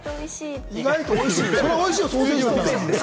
意外とおいしい。